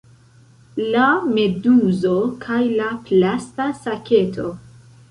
La meduzo kaj la plasta saketo